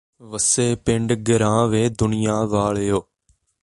ਵੱਸੇ ਪਿੰਡ ਗਿਰਾਂ ਵੇ ਦੁਨੀਆ ਵਾਲਿਓ